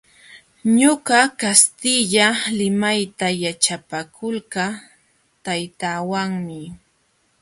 Ñuqa kastilla limayta yaćhapakulqaa taytaawanmi.